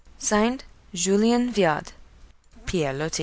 (Signed) JULIEN VIAUD. (PIERRE LOTI.)